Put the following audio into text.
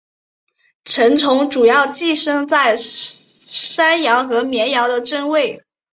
成虫主要寄生在山羊和绵羊的真胃。